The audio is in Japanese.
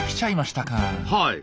はい。